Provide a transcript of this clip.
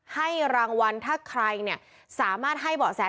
ให้รางวัลถ้าใครเนี่ยสามารถให้เบาะแส